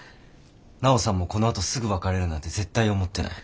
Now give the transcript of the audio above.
奈緒さんもこのあとすぐ別れるなんて絶対思ってない。